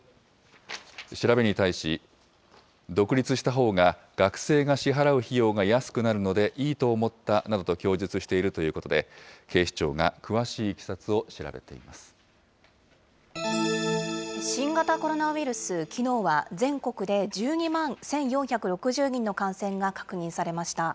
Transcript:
調べに対し、独立したほうが学生が支払う費用が安くなるのでいいと思ったなどと供述しているということで、警視庁が詳しいいきさつを調べてい新型コロナウイルス、きのうは全国で１２万１４６０人の感染が確認されました。